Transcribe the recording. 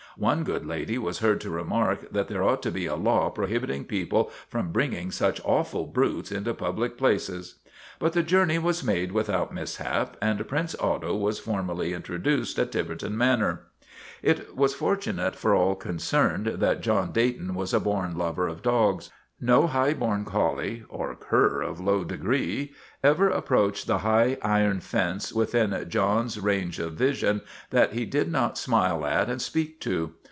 One good lady was heard to remark that there ought to be a law prohibiting people from bringing such awful brutes STRIKE AT TIVERTON MANOR 135 into public places. But the journey was made with out mishap and Prince Otto was formally intro duced at Tiverton Manor. It was fortunate for all concerned that John Day ton was a born lover of dogs. No high born collie or cur of low degree ever approached the high iron fence within John's range of vision that he did not smile at and speak to.